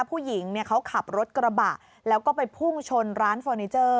ผู้หญิงเขาขับรถกระบะแล้วก็ไปพุ่งชนร้านเฟอร์นิเจอร์